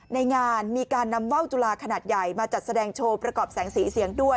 ในงานมีการนำว่าวจุลาขนาดใหญ่มาจัดแสดงโชว์ประกอบแสงสีเสียงด้วย